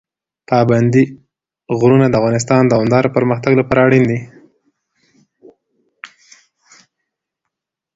پابندی غرونه د افغانستان د دوامداره پرمختګ لپاره اړین دي.